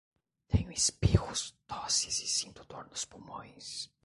Tenho espirros, tosses e sinto dor nos pulmões